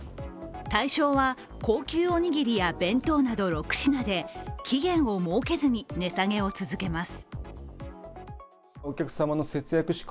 対象は高級おにぎりや弁当など６品で期限を設けずに値下げを続けます。